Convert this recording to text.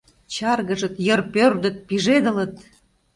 Чаргыжыт, йыр пӧрдыт, пижедылыт.